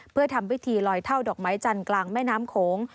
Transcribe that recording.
เพื่อทำพิธีลอยเท่าดอกไม้จันทร์กลางแม่น้ำโขง